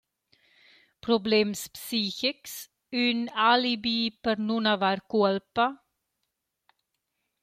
Problems psichics –ün alibi per nun avair cuolpa?